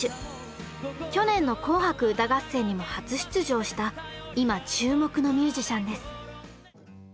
去年の「紅白歌合戦」にも初出場した今注目のミュージシャンです。